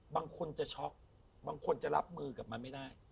บางคนจะช็อกบางคนจะรับมือกับมันไม่ได้